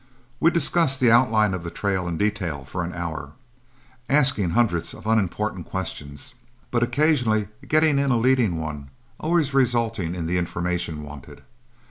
We discussed the outline of the trail in detail for an hour, asking hundreds of unimportant questions, but occasionally getting in a leading one, always resulting in the information wanted.